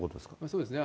そうですね。